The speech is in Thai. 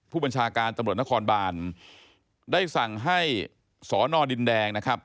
ผู้บรรชาการตำรวจนครบานได้สั่งให้ศนดินแดิง